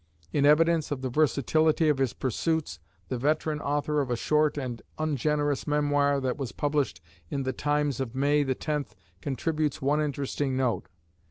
In evidence of the versatility of his pursuits, the veteran author of a short and ungenerous memoir that was published in "The Times" of May the 10th contributes one interesting note.